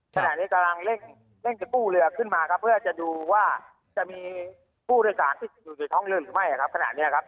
ขณะนี้กำลังเร่งจะกู้เรือขึ้นมาครับเพื่อจะดูว่าจะมีผู้โดยสารที่อยู่ในท้องเรือหรือไม่ครับขณะนี้ครับ